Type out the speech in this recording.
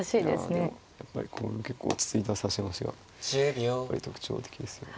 いやでもやっぱりこういう結構落ち着いた指し回しがやっぱり特徴的ですね。